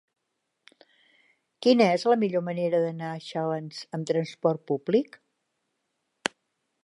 Quina és la millor manera d'anar a Xalans amb transport públic?